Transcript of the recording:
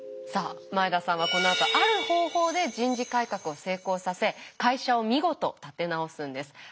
さあ前田さんはこのあとある方法で人事改革を成功させ会社を見事立て直すんです。